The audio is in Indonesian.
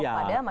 nah itu dia